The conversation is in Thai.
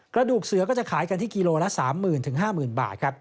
กระดูกเสือก็จะขายกันที่กิโลละ๓๐๐๐๕๐๐บาทครับ